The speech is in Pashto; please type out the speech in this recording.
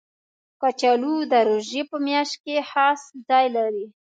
کچالو د روژې په میاشت کې خاص ځای لري